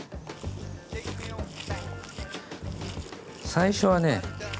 最初はね